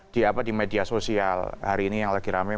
di media sosial hari ini yang lagi rame